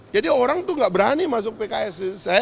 jadi orang tuh gak berani masuk pks